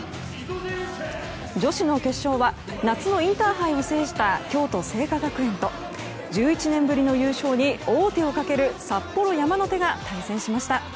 女子の決勝は夏のインターハイを制した京都精華学園と１１年ぶりの優勝に王手をかける札幌山の手が対戦しました。